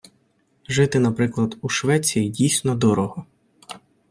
Жити, наприклад, у Швеції, дійсно дорого.